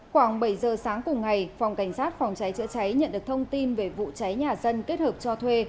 khoảng bảy giờ sáng cùng ngày phòng cảnh sát phòng cháy chữa cháy nhận được thông tin về vụ cháy nhà dân kết hợp cho thuê